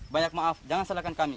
banyak maaf jangan salahkan kami